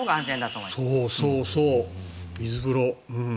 そうそう、水風呂。